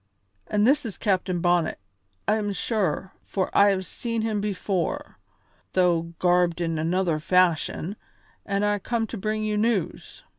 "And this is Captain Bonnet, I am sure, for I have seen him before, though garbed in another fashion, and I come to bring you news.